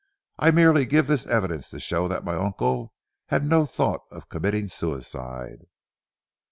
I merely give this evidence to show that my uncle had no thought of committing suicide."